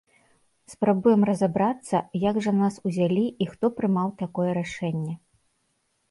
Спрабуем разабрацца, як жа нас узялі і хто прымаў такое рашэнне.